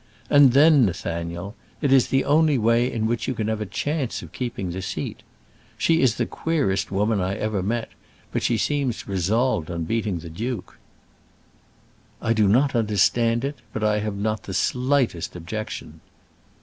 And then, Nathaniel, it is the only way in which you can have a chance of keeping the seat. She is the queerest woman I ever met, but she seems resolved on beating the duke." "I do not quite understand it, but I have not the slightest objection."